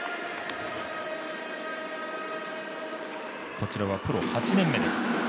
こちらはプロ８年目です。